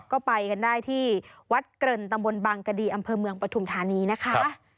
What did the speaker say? ก็ไปกันได้ที่วัดเกริ่นตำบลบางกดีอำเภอเมืองปฐุมธานีนะคะ